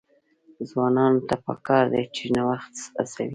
ځوانانو ته پکار ده چې، نوښت هڅوي.